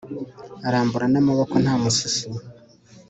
arambura n'amaboko nta mususu